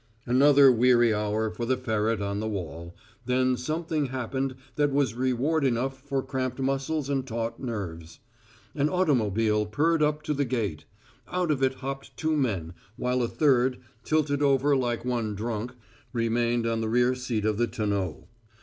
Another weary hour for the ferret on the wall, then something happened that was reward enough for cramped muscles and taut nerves. An automobile purred up to the gate; out of it hopped two men, while a third, tilted over like one drunk, remained on the rear seat of the tonneau.